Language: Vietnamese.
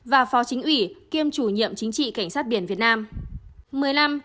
và phó chính ủy kiêm chủ nhiệm chính trị cảnh sát biển việt nam